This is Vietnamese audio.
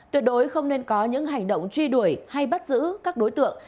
tuyệt đối không nên có những hành động truy đuổi hay bắt giữ các đối tượng